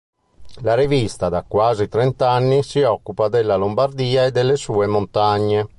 La rivista da quasi trent'anni si occupa della Lombardia e delle sue montagne.